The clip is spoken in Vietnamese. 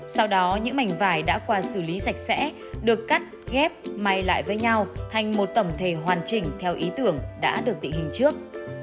sau đó những mảnh vải đã qua xử lý sạch sẽ được cắt ghép may lại với nhau thành một tổng thể hoàn chỉnh theo ý tưởng đã được tị hình trước